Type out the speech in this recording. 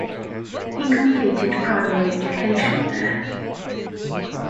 He completed primary education there.